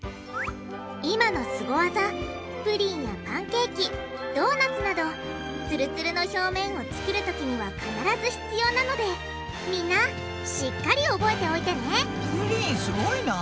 今のスゴ技プリンやパンケーキドーナツなどツルツルの表面を作るときには必ず必要なのでみんなしっかり覚えておいてねプリンすごいな。